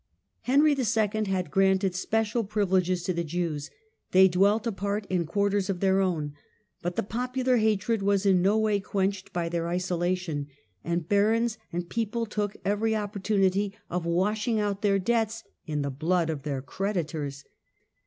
Henry II. had granted special privileges to the Jews; they dwelt apart in quar ters of their own ; but the popular hatred was in no way quenched by their isolation, and barons and people took every opportunity of washing out their debts .. in the blood of their creditors.